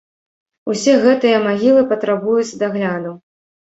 Усе гэтыя магілы патрабуюць дагляду.